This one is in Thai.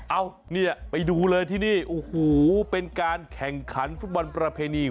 เนี่ยไปดูเลยที่นี่โอ้โหเป็นการแข่งขันฟุตบอลประเพณี